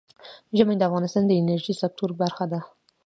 ژمی د افغانستان د انرژۍ سکتور برخه ده.